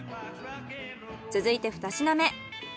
続いてふた品目。